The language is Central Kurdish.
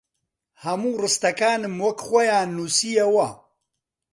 هەموو ڕستەکانم وەک خۆیان نووسییەوە